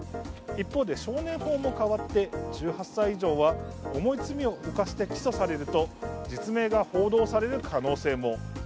一方で、少年法も変わって１８歳以上は重い罪を犯して起訴されると実名が報道される可能性も。